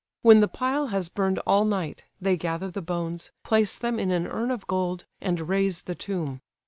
When the pile has burned all night, they gather the bones, place them in an urn of gold, and raise the tomb.